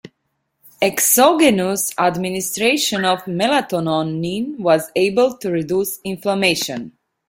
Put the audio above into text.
Exogenous administration of melatonin was able to reduce inflammation.